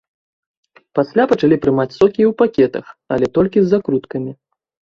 Пасля пачалі прымаць сокі і ў пакетах, але толькі з закруткамі.